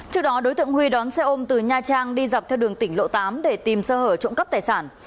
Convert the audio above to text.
trước đó đối tượng huy đón xe ôm từ nha trang đi dọc theo đường tỉnh lộ tám để tìm sơ hở trộm cắp tài sản